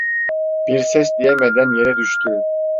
Bir ses diyemeden yere düştü.